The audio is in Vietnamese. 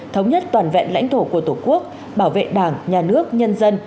thống nhất toàn vẹn lãnh thổ của tổ quốc bảo vệ đảng nhà nước nhân dân